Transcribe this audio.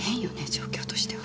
状況としては。